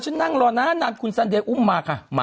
ฉันนั่งรอนานานนานคุณซันเดทคุยอุ่มมาค่ะ